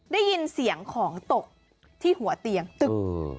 ได้ยินเสียงของตกที่หัวเตียงตึก